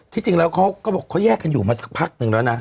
ที่จริงแล้วเขาแยกกันอยู่มาสักพักหนึ่งแล้วนะ